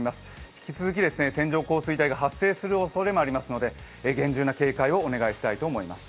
引き続き、線状降水帯が発生するおそれもありますので、厳重な警戒をお願いしたいと思います。